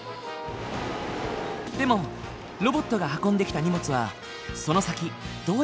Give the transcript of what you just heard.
でもロボットが運んできた荷物はその先どうやって運ぶんだろう。